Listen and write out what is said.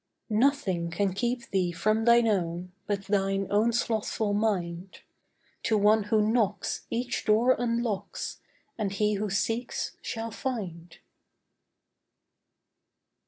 Nothing can keep thee from thine own But thine own slothful mind. To one who knocks, each door unlocks; And he who seeks, shall find.